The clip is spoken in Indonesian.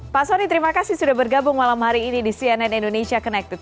pak soni terima kasih sudah bergabung malam hari ini di cnn indonesia connected